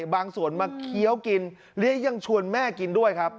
บางส่วนมาเคี้ยวกินและยังชวนแม่กินด้วยครับ